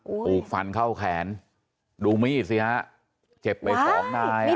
โอ้โหถูกฟันเข้าแขนดูมีดสิฮะเจ็บไปสองนาย